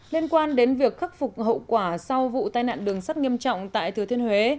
liên quan đến việc khắc phục hậu quả sau vụ tai nạn đường sắt nghiêm trọng tại thừa thiên huế